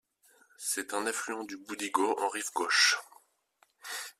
C'est un affluent du Boudigau en rive gauche.